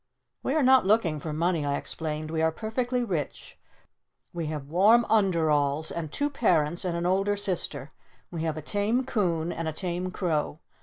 "We are not looking for money," I explained. "We are perfectly rich. We have warm underalls. And two parents. And an older sister. We have a tame coon. And a tame crow.